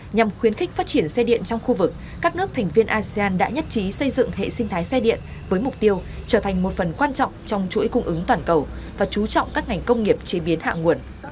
nhằm khuyến khích phát triển xe điện trong khu vực các nước thành viên asean đã nhất trí xây dựng hệ sinh thái xe điện với mục tiêu trở thành một phần quan trọng trong chuỗi cung ứng toàn cầu và chú trọng các ngành công nghiệp chế biến hạ nguồn